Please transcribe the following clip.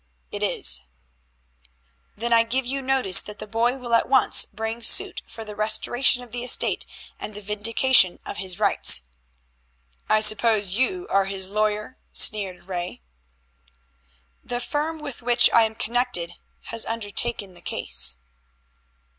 "It is." "Then I give you notice that the boy will at once bring suit for the restoration of the estate and the vindication of his rights." "I suppose you are his lawyer?" sneered Ray. "The firm with which I am connected has undertaken the case."